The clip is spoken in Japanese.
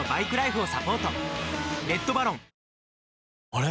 あれ？